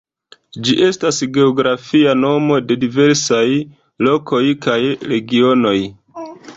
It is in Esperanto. Ĝi estas geografia nomo de diversaj lokoj kaj regionoj.